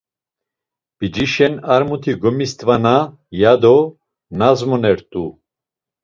P̌icişen ar muti gomist̆vana, yado nazmonert̆u.